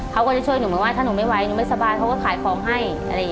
เขาก็จะช่วยหนูถ้าหนูไม่ไหวหนูไม่สบายเขาก็ขายของให้